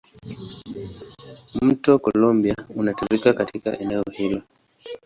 Mto Columbia unatiririka katika eneo hilo.